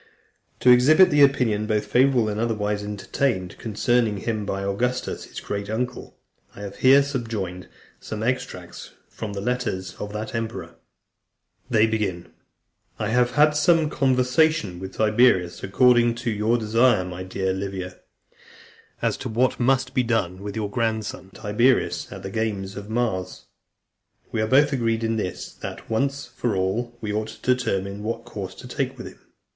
To exhibit the opinion, both favourable and otherwise, entertained concerning him by Augustus, his great uncle, I have here subjoined some extracts from the letters of that emperor. IV. "I have had some conversation with Tiberius, according (298) to your desire, my dear Livia, as to what must be done with your grandson, Tiberius, at the games of Mars. We are both agreed in this, that, once for all, we ought to determine what course to take with him.